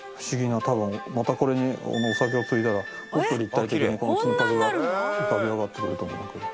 多分またこれにお酒をついだらもっと立体的にこの金箔が浮かび上がってくると思うんだけど。